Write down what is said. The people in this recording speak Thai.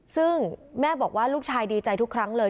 ซึ่งแม่บอกว่าลูกชายดีใจทุกครั้งเลย